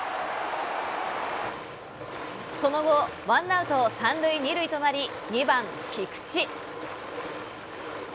その後、ワンアウト３塁２塁となり、２番菊池。